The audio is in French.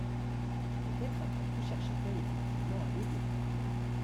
Peut-être après tout cherchait-elle effectivement à l’aider